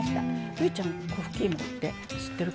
望結ちゃん粉ふきいもって知ってるかな？